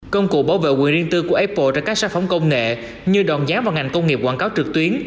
công cụ bảo vệ quyền riêng tư của apple cho các sản phẩm công nghệ như đòn giám vào ngành công nghiệp quảng cáo trực tuyến